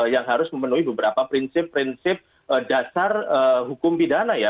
yang harus memenuhi beberapa prinsip prinsip dasar hukum pidana ya